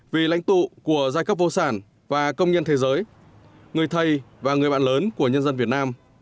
vì lãnh tụ của giai cấp vô sản và công nhân thế giới người thầy và người bạn lớn của nhân dân việt nam